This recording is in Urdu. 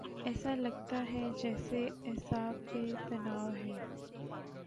ایسا لگتاہے جیسے اعصاب پہ تناؤ ہے۔